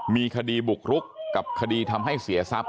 มีคดีบุกรุกกับคดีทำให้เสียทรัพย